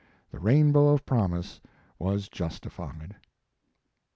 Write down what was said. The rainbow of promise was justified.